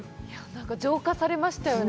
浄化されましたよね。